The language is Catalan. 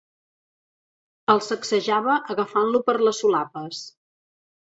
El sacsejava agafant-lo per les solapes.